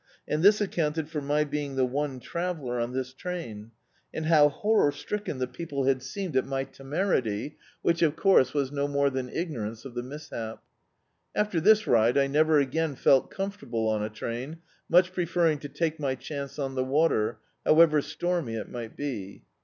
And this accounted for my being the ime traveller on this train, and how horror stricken the people had seemed at my temerity, which, of course, was no more than ignorance of the mishap. After this ride I never again felt comfortable on a train, much pre* ferring to take my chance on the water, however stormy it might be.